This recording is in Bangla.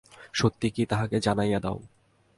সত্য কি, তাহাকে জানাইয়া দাও।